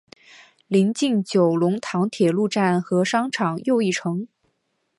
邻近九龙塘铁路站和商场又一城。